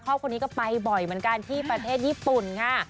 ครอบครัวนี้ก็ไปบ่อยเหมือนกันที่ประเทศญี่ปุ่นค่ะ